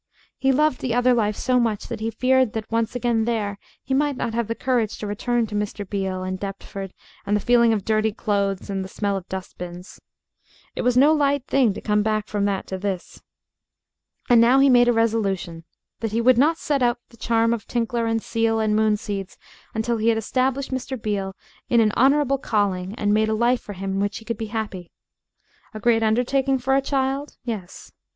He loved the other life so much that he feared that, once again there, he might not have the courage to return to Mr. Beale and Deptford and the feel of dirty clothes and the smell of dust bins. It was no light thing to come back from that to this. And now he made a resolution that he would not set out the charm of Tinkler and seal and moon seeds until he had established Mr. Beale in an honorable calling and made a life for him in which he could be happy. A great undertaking for a child? Yes.